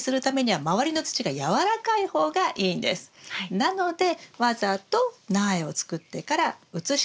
なのでわざと苗を作ってから移し替える。